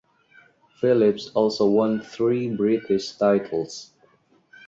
Phillips also won three British titles.